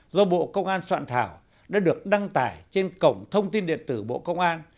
do bộ công an soạn thảo đã được đăng tải trên cổng thông tin điện tử bộ công an